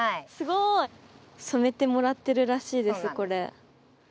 すごい！染めてもらってるらしいですこれ。